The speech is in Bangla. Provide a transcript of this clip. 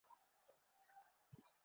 এখন আমরা আসল কথায় এসেছি।